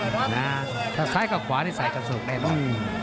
กันนะถ้าซ้ายกักขวานี่ใส่กระเซิกนเนี้ยนะอืม